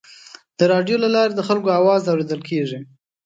د راډیو له لارې د خلکو اواز اورېدل کېږي.